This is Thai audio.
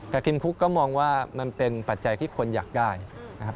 แต่กินคุกก็มองว่ามันเป็นปัจจัยที่คนอยากได้นะครับ